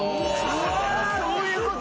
そういうこと？